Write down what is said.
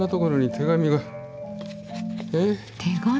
手紙？